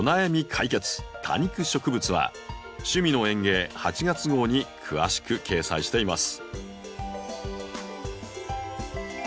多肉植物」は「趣味の園芸」８月号に詳しく掲載しています。